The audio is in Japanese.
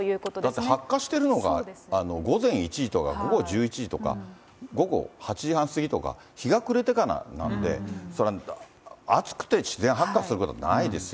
だって発火しているのが、午前１時とか午後１１時とか、午後８時半過ぎとか、日が暮れてからなんで、熱くて自然発火することはないですよ。